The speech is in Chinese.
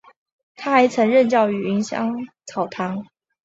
他还曾任教于芸香草堂。